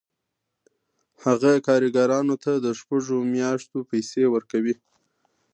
هغه کارګرانو ته د شپږو میاشتو پیسې ورکوي